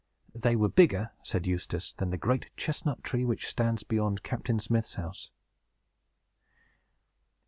"They were bigger," said Eustace, "than the great chestnut tree which stands beyond Captain Smith's house."